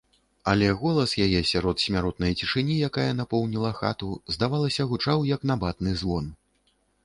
Але голас яе сярод смяротнай цішыні, якая напоўніла хату, здавалася, гучаў як набатны звон.